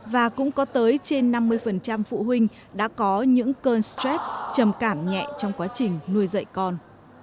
và cũng có tới trên năm mươi phụ huynh đã có những cơn stress trầm cảm nhẹ trong quá trình nuôi dạy con